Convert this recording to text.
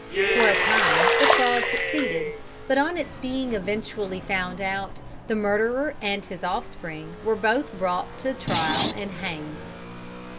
For a time the fraud succeeded, but on its being eventually found out, the murderer and his offspring were both brought to trial and hanged.